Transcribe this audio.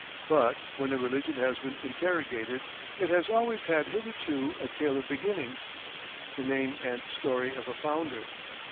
But when a religion has been interrogated it has always had hitherto a tale of beginnings, the name and story of a founder.